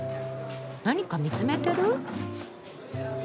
何か見つめてる？